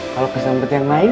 kalau kesampet yang lain